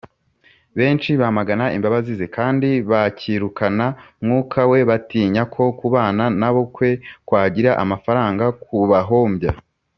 benshi bamagana imbabazi ze kandi bakirukana mwuka we batinya ko kubana na bo kwe kwagira amafaranga kubahombya